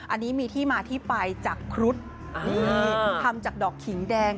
อันนี้มีที่มาที่ไปจากครุฑนี่ทำจากดอกขิงแดง